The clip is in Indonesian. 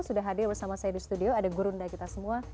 sudah hadir bersama saya di studio ada gurunda kita semua